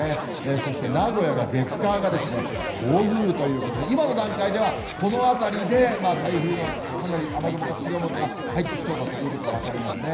そして名古屋が月、火が暴風雨ということで、今の段階では、このあたりで台風のかなり、雨雲の強いものが入ってきそうだということが分かりますね。